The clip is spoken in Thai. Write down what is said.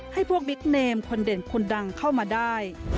ให้พวกบิ๊กเนมคนเด่นคนดังเข้ามาได้